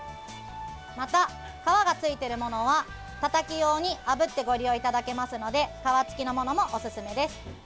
また、皮がついているものはたたき用にあぶってご利用いただけますので皮つきのものもおすすめです。